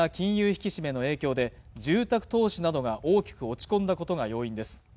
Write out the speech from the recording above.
引き締めの影響で住宅投資などが大きく落ち込んだことが要因です